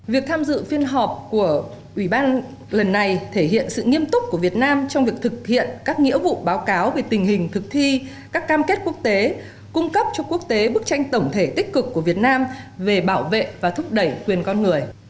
việc tham dự phiên họp của ủy ban lần này thể hiện sự nghiêm túc của việt nam trong việc thực hiện các nghĩa vụ báo cáo về tình hình thực thi các cam kết quốc tế cung cấp cho quốc tế bức tranh tổng thể tích cực của việt nam về bảo vệ và thúc đẩy quyền con người